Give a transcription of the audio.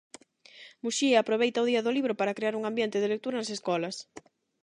Muxía aproveita o día do libro para crear un ambiente de lectura nas escolas.